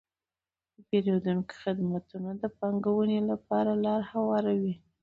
د پیرودونکو خدمتونه د پانګونې لپاره لاره هواروي.